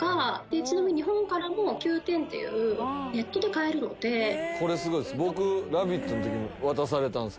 ちなみに日本からもＱｏｏ１０っていうネットで買えるのでこれすごいです僕